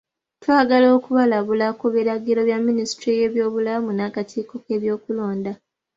Twagala okubalabula ku biragiro bya Minisitule y'ebyobulamu n'akakiiko k'ebyokulonda.